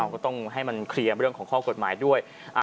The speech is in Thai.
ก็ต้องให้มันเคลียร์เรื่องของข้อกฎหมายด้วย